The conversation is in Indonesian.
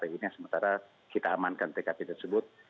ini yang sementara kita amankan tkp tersebut